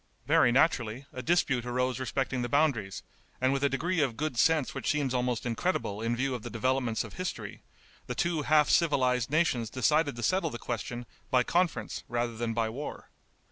Very naturally, a dispute arose respecting the boundaries, and with a degree of good sense which seems almost incredible in view of the developments of history, the two half civilized nations decided to settle the question by conference rather than by war.